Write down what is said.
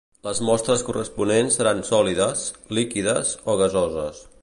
Les mostres corresponents seran sòlides, líquides o gasoses.